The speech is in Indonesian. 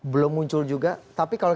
belum muncul juga tapi kalau